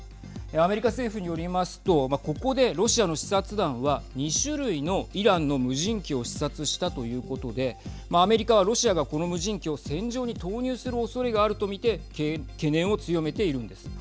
アメリカ政府によりますとここで、ロシアの視察団は２種類のイランの無人機を視察したということでアメリカはロシアがこの無人機を戦場に投入するおそれがあると見て懸念を強めているんです。